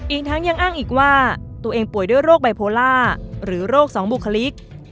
อีกทั้งยังอ้างอีกว่าตัวเองป่วยด้วยโรคไบโพล่าหรือโรคสองบุคลิก